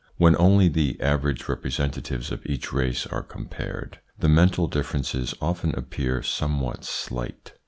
When only the average representatives of each race are com pared, the mental differences often appear somewhat slight.